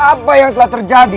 apa yang telah terjadi